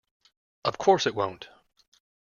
Of course it won't.